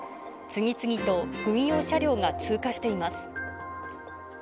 次々と軍用車両が通過しています。